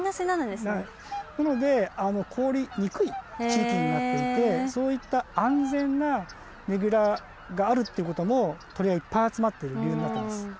なので凍りにくい地域になっていてそういった安全なねぐらがあるっていうことも鳥がいっぱい集まってる理由になってます。